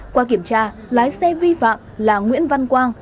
qua kiểm tra lái xe vi phạm là nguyễn văn quang